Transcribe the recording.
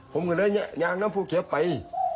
ผมก็เลยยางน้ำภูเขียวไป